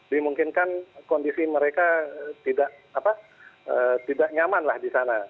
dimungkinkan kondisi mereka tidak nyaman lah di sana